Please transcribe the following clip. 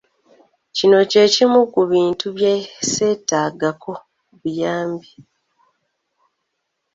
Kino kye kimu ku bintu bye sseetaagako muyambi.